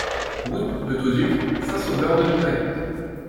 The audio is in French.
Route de Tauzuc, Saint-Sauveur-de-Montagut